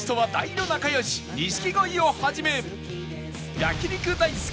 焼肉大好き！